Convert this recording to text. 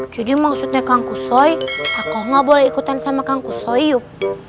jadi maksudnya tangguh soi aku nggak boleh ikutan sama tangguh soi yuk